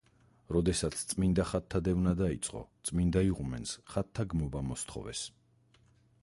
როდესაც წმინდა ხატთა დევნა დაიწყო, წმინდა იღუმენს ხატთა გმობა მოსთხოვეს.